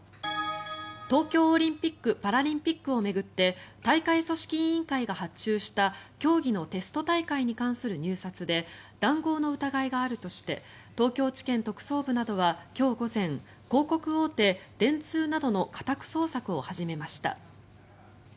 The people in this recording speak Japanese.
東京オリンピック・パラリンピックを巡って大会組織委員会が発注した競技のテスト大会に関する入札で談合の疑いがあるとして東京地検特捜部などは今日午前広告大手、電通などの家宅捜索を始めました。